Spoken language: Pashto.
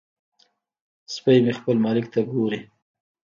سپی مې خپل مالک ته ګوري.